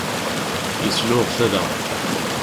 Yesluɣ tala.